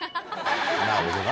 なるほどな。